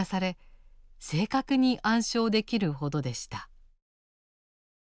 正確に暗唱できるほどでした。